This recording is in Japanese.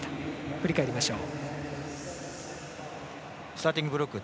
振り返りましょう。